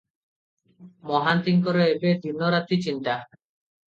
ମହାନ୍ତିଙ୍କର ଏବେ ଦିନ ରାତି ଚିନ୍ତା ।